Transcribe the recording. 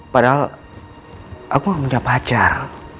padahal aku punya pacar